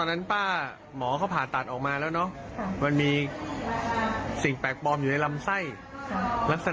มันไม่ถ่ายแต่ว่ามันอัดเจียน